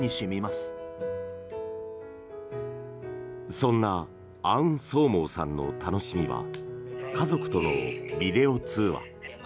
そんなアウンソーモーさんの楽しみは家族とのビデオ通話。